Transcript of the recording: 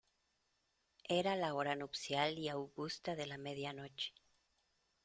era la hora nupcial y augusta de la media noche.